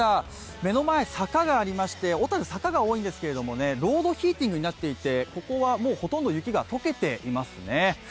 目の前、坂がありまして、小樽、坂が多いんですけれどもロードヒーティングになっていて、ここはほとんど雪が解けていますね。